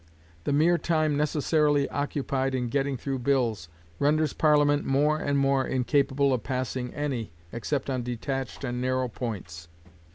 The mere time necessarily occupied in getting through bills, renders Parliament more and more incapable of passing any, except on detached and narrow points.